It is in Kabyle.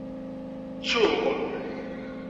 Ttuɣ.